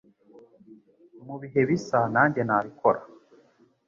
Mubihe bisa, nanjye nabikora.